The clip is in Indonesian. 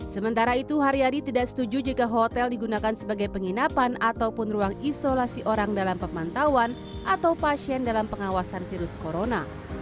sementara itu haryadi tidak setuju jika hotel digunakan sebagai penginapan ataupun ruang isolasi orang dalam pemantauan atau pasien dalam pengawasan virus corona